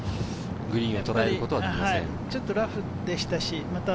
グリーンをとらえることはできませんでした。